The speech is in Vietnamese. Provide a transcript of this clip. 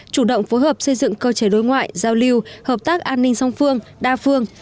chủ động phối hợp xây dựng cơ chế đối ngoại giao lưu hợp tác an ninh song phương đa phương